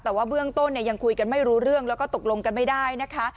แต่ว่าเบื้องต้นเนี่ยยังคุยกันไม่รู้เรื่องแล้วก็ตกลงกันไม่ได้นะคะ